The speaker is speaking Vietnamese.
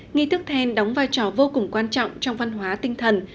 nghi thức then đóng vai trò vô cùng quan trọng trong văn hóa tinh thần